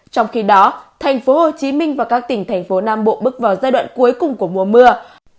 trong khi đó tp hcm và các tỉnh tp nb bước vào giai đoạn cuối cùng của mùa mưa